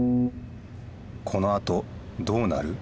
このあとどうなる？